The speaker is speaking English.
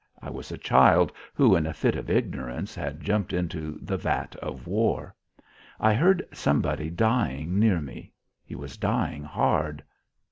I was a child who, in a fit of ignorance, had jumped into the vat of war. I heard somebody dying near me. He was dying hard.